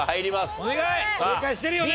正解してるよね！？